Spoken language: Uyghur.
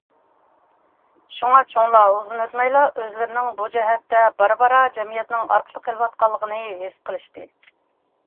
شۇڭا چوڭلار ئۇزۇن ئۆتمەيلا ئۆزلىرىنىڭ بۇ جەھەتتە بارا- بارا جەمئىيەتنىڭ ئارقىدا قېلىۋاتقانلىقىنى ھېس قىلىشتى.